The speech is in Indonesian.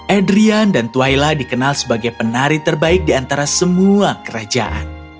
edrian dan twaila dikenal sebagai penari terbaik di antara semua kerajaan